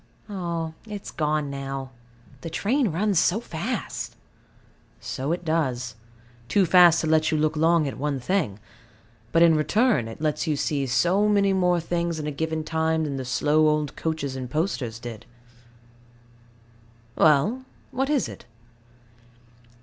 Ah, it is gone now. The train runs so fast. So it does; too fast to let you look long at one thing: but in return, it lets you see so many more things in a given time than the slow old coaches and posters did. Well? what is it?